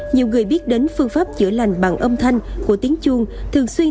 nhiều người biết đến phương pháp chữa lành bằng âm thanh của tiếng chuông thường xuyên